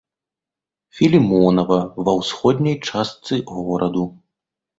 Філімонава, ва ўсходняй частцы гораду.